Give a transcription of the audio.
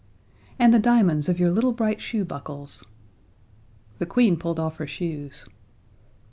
"And the diamonds of your little bright shoe buckles." The Queen pulled off her shoes.